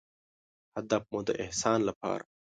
هدف مو د احسان لپاره